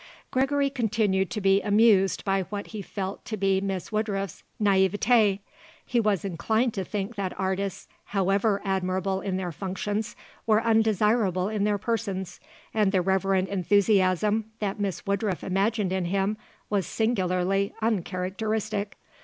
Gregory continued to be amused by what he felt to be Miss Woodruff's naiveté. He was inclined to think that artists, however admirable in their functions, were undesirable in their persons, and the reverent enthusiasm that Miss Woodruff imagined in him was singularly uncharacteristic.